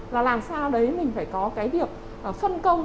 và làm sao đấy mình phải có cái việc phân công